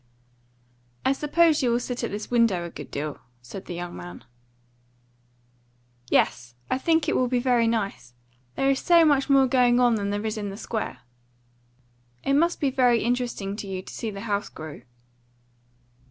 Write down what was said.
"I suppose you will sit at this window a good deal," said the young man. "Yes, I think it will be very nice. There's so much more going on than there is in the Square." "It must be very interesting to you to see the house grow."